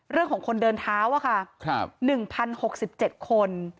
เรื่องของคนเดินเท้า๑๐๖๗คน